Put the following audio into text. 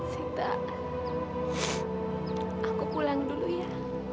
sita aku pulang dulu ya